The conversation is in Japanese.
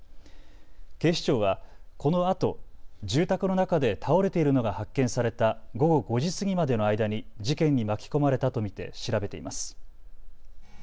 警視庁はこのあと住宅の中で倒れているのが発見された午後５時過ぎまでの間に事件に巻き込まれたと見て調べています。